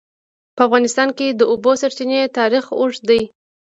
په افغانستان کې د د اوبو سرچینې تاریخ اوږد دی.